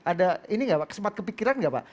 ada ini gak pak kesempat kepikiran gak pak